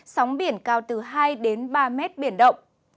sóng biển cao từ hai đến ba mét biển động